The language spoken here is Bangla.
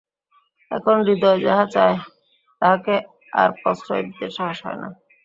এখন হৃদয় যাহা চায়, তাহাকে আর প্রশ্রয় দিতে সাহস হয় না।